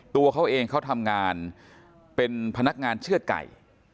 ตัวเขาเองเขาทำงานเป็นพนักงานเชื่อดไก่